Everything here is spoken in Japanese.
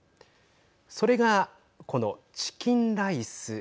それが、このチキンライス。